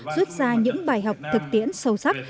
xuất ra những bài học thực tiễn sâu sắc